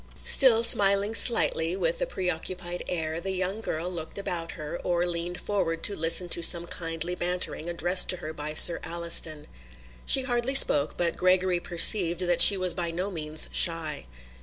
Still smiling slightly, with a preoccupied air, the young girl looked about her, or leaned forward to listen to some kindly bantering addressed to her by Sir Alliston. She hardly spoke, but Gregory perceived that she was by no means shy.